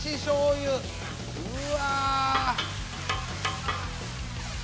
うわ！